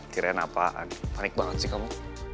kirain apa aduh panik banget sih kamu